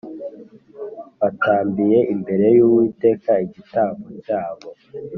batambiye imbere y Uwiteka igitambo cyabo